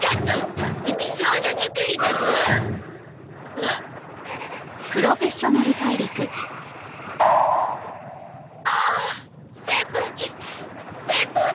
ああ扇風機扇風機！